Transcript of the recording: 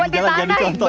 jangan di contoh